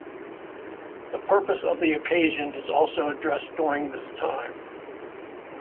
The purpose of the occasion is also addressed during this time.